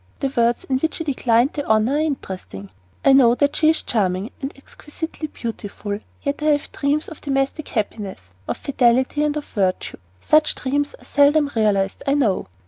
The words in which he declined the honor are interesting: "I know that she is charming and exquisitely beautiful; yet I have dreams of domestic happiness, of fidelity, and of virtue. Such dreams are seldom realized, I know.